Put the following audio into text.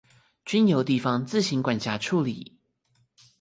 均由地方自行管轄處理